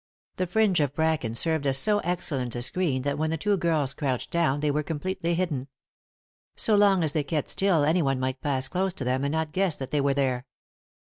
The fringe of bracken served as so excellent a screen that when the two girls crouched down they were completely hidden. So long as they kept still any one might pass close to them and not guess that they were there.